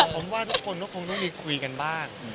ผมว่าทุกคนก็คงต้องมีคุยกันบ้าง